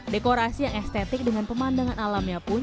dekorasi yang estetik dengan pemandangan alamnya pun